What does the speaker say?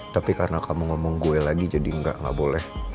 tapi karena kamu ngomong gue lagi jadi gak boleh